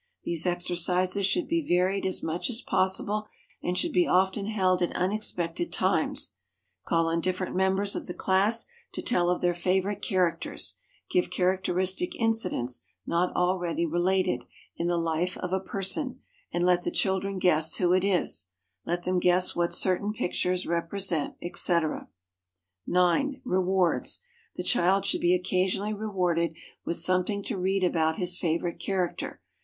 These exercises should be varied as much as possible and should be often held at unexpected times. Call on different members of the class to tell of their favorite characters; give characteristic incidents not already related, in the life of a person, and let the children guess who it is; let them guess what certain pictures represent, etc. 9. Rewards. The child should be occasionally rewarded with something to read about his favorite character.